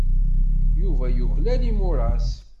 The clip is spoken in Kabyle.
Yuba yuklal imuras.